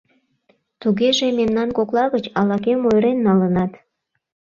— Тугеже, мемнан кокла гыч ала-кӧм ойырен налынат?